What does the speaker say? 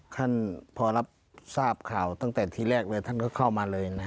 ท่านพอรับทราบข่าวตั้งแต่ทีแรกเลยท่านก็เข้ามาเลยนะ